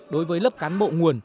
đối với lớp cán bộ nguồn